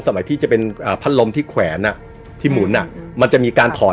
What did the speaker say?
ที่จะเป็นอ่าพัดลมที่แขวนอ่ะที่หมุนอ่ะมันจะมีการถอน